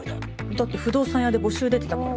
だって不動産屋で募集出てたから。